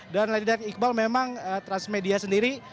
dan lady danik iqbal memang transmedia sendiri